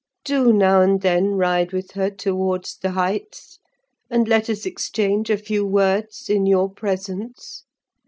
Do, now and then, ride with her towards the Heights; and let us exchange a few words, in your presence!